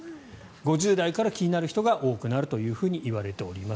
５０代から気になる人が多くなるといわれています。